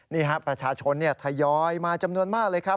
นี่ครับประชาชนทยอยมาจำนวนมากเลยครับ